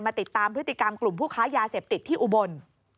ติดตามพฤติกรรมกลุ่มผู้ค้ายาเสพติดที่อุบล